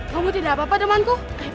kamu tidak apa apa temanku